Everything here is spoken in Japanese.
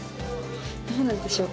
どうなんでしょう？